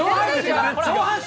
上半身。